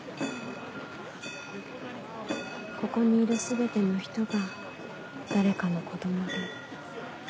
ここにいる全ての人が誰かの子供で。